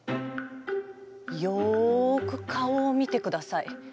よく顔を見てください。